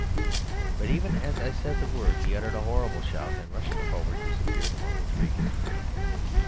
"But even as I said the word he uttered a horrible shout, and rushing forward disappeared among the trees.